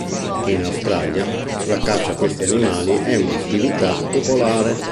In Australia, la caccia a questi animali è un'attività popolare.